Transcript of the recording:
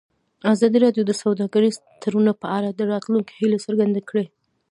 ازادي راډیو د سوداګریز تړونونه په اړه د راتلونکي هیلې څرګندې کړې.